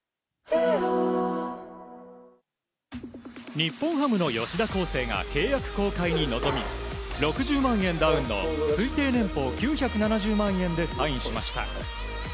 日本ハムの吉田輝星が契約更改に臨み６０万円ダウンの推定年俸９７０万円でサインしました。